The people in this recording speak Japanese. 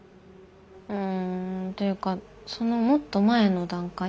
うんというかそのもっと前の段階。